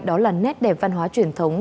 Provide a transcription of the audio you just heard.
đó là nét đẹp văn hóa truyền thống